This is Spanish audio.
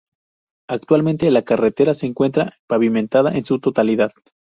Actualmente la carretera se encuentra pavimentada en su totalidad.